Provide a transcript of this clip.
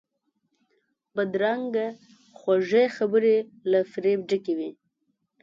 بدرنګه خوږې خبرې له فریب ډکې وي